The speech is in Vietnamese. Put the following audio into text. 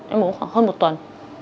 em mua khoảng hơn một tuần